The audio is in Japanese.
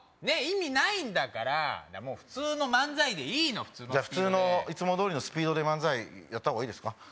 意味ないんだからもう普通の漫才でいいの普通のいつもどおりのスピードで漫才やった方がいいですか？